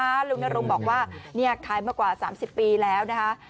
เพราะลุงนรมบอกว่านี่ใครมากว่า๓๐ปีแล้วนะคะ